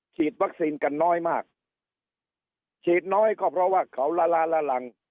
ฉีดวัคซีนกันน้อยมากฉีดน้อยก็เพราะว่าเขาละลาละลัง